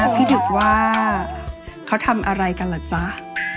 พี่ถึกว่าเขาทำอะไรกันเหรอจ้า